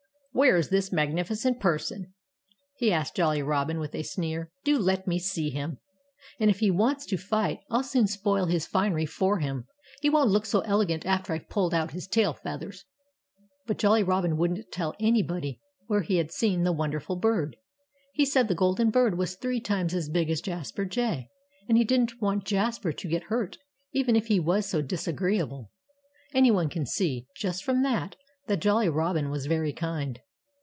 "Where is this magnificent person?" he asked Jolly Robin with a sneer. "Do let me see him! And if he wants to fight, I'll soon spoil his finery for him. He won't look so elegant after I've pulled out his tail feathers." But Jolly Robin wouldn't tell anybody where he had seen the wonderful bird. He said the golden bird was three times as big as Jasper Jay. And he didn't want Jasper to get hurt, even if he was so disagreeable. Anyone can see, just from that, that Jolly Robin was very kind.